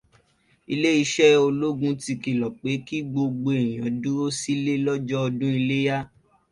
Ilé iṣẹ́ ológun ti kìlọ̀ pé kí gbogbo èèyàn dúró sílé lọ́jọ́ ọdún iléyá.